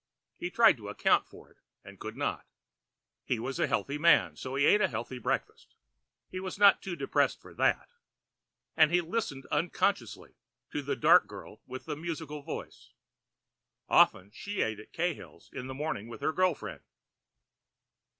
He tried to account for it, and could not. He was a healthy man, so he ate a healthy breakfast. He was not too depressed for that. And he listened unconsciously to the dark girl with the musical voice. Often she ate at Cahill's in the mornings with her girl friend.